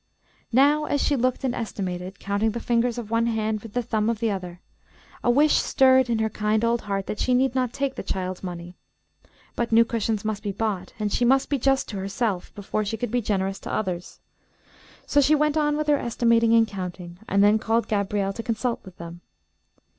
Now as she looked and estimated, counting the fingers of one hand with the thumb of the other, a wish stirred in her kind old heart that she need not take the child's money; but new cushions must be bought, and she must be just to herself before she could be generous to others. So she went on with her estimating and counting, and then called Gabriel to consult with him.